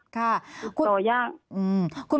ค่ะติดต่อยาก